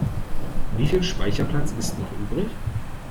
Wie viel Speicherplatz ist noch übrig?